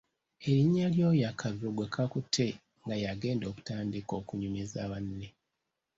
Erinnya ly’oyo akalulu gwe kakutte nga yagenda okutandika okunyumiza banne